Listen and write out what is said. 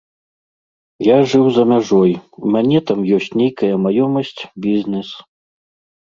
Я жыў за мяжой, у мяне там ёсць нейкая маёмасць, бізнес.